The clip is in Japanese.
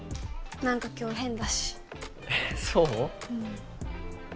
何か今日変だしえっそう？